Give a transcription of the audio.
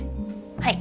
はい。